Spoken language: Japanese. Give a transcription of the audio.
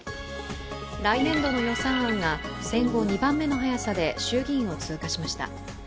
来年度の予算案が戦後２番目の早さで衆議院を通過しました。